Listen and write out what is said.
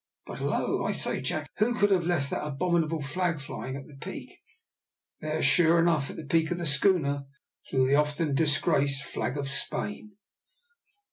"But, hillo, I say, Jack, who could have left that abominable flag flying at the peak?" There, sure enough, at the peak of the schooner flew out the often disgraced flag of Spain.